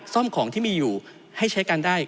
ซ่อมของที่มีอยู่ให้ใช้กันได้